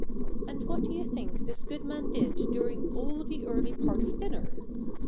And what do you think this good man did during all the early part of dinner?